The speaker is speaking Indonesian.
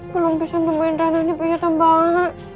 belom bisa nemuin dana nih punya tembak